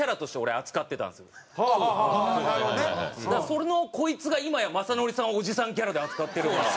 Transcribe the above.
そのこいつが今や雅紀さんをおじさんキャラで扱ってるから。